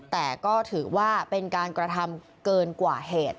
แต่ก็ถือว่าเป็นการกระทำเกินกว่าเหตุ